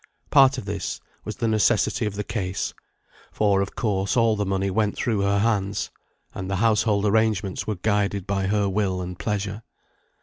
Part of this was the necessity of the case; for, of course, all the money went through her hands, and the household arrangements were guided by her will and pleasure.